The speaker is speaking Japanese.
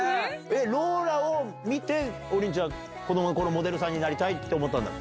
ローラを見て、王林ちゃん、子どものころ、モデルさんになりたいって思ったんだっけ？